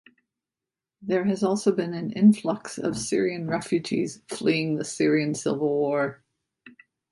There has also been an influx of Syrian refugees fleeing the Syrian Civil War.